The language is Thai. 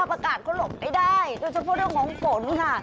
อากาศก็หลบไม่ได้โดยเฉพาะเรื่องของฝนค่ะ